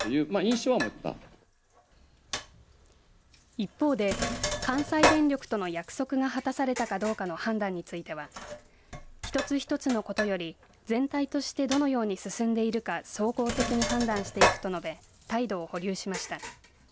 一方で関西電力との約束が果たされたかどうかの判断については一つ一つのことより全体としてどのように進んでいるか総合的に判断していくと述べ態度を保留しました。